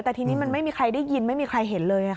แต่ทีนี้มันไม่มีใครได้ยินไม่มีใครเห็นเลย